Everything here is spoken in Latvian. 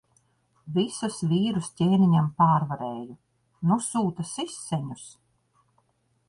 Visus vīrus ķēniņam pārvarēju. Nu sūta siseņus.